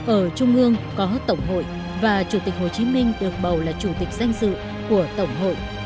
ở trung ương có tổng hội và chủ tịch hồ chí minh được bầu là chủ tịch danh dự của tổng hội